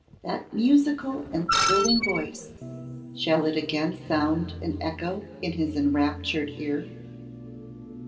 That musical and thrilling voice, shall it again sound and echo in his enraptured ear?